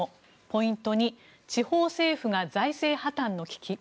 ポイント２、地方政府が財政破たんの危機？